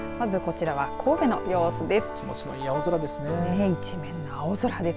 まずこちらは神戸の様子です。